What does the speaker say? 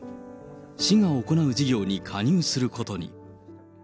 市が行う事業に加入することに。